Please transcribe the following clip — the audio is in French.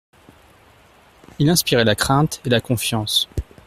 Il inspirait la crainte et la confiance.